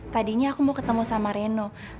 tadinya aku mau ketemu sama reno